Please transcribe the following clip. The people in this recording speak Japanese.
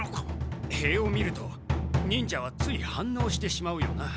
塀を見ると忍者はつい反応してしまうよな。